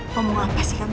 pembuang apa sih kamu